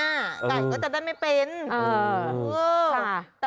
ไก่ก็จะได้ไม่เป็นเออสาก